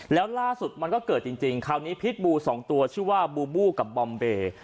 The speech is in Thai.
แล้วล่าสุดมันก็เกิดจริงคราวนี้พิษบู๒ตัวชื่อว่าบูบูกับบอมเบย์